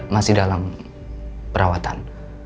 masih dalam perawatan